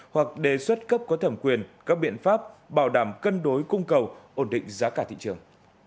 hoặc đề xuất cấp có thẩm quyền các biện pháp bảo đảm cân đối cung cầu ổn định giá cả thị trường